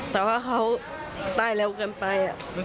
แต่ว่าเขาตายเร็วเกินไป